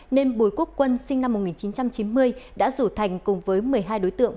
nên bùi quốc quân sinh năm một nghìn chín trăm chín mươi đã rủ thành cùng với một mươi hai đối tượng